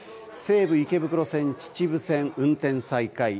西武池袋線、秩父線運転再開。